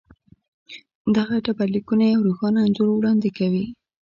دغه ډبرلیکونه یو روښانه انځور وړاندې کوي.